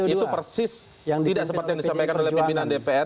itu persis tidak seperti yang disampaikan oleh pimpinan dpr